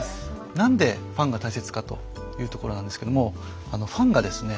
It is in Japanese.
何でファンが大切かというところなんですけどもあのファンがですね